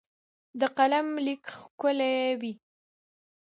د قلم لیک ښکلی وي.